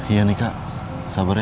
iya nih kak sabar ya